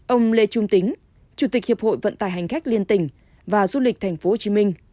ông lê trung tính chủ tịch hiệp hội vận tải hành khách liên tỉnh và du lịch tp hcm